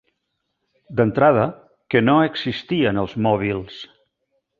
D'entrada, que no existien els mòbils.